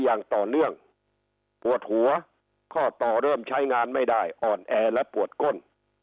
อย่างต่อเนื่องปวดหัวข้อต่อเริ่มใช้งานไม่ได้อ่อนแอและปวดก้น